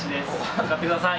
使ってください。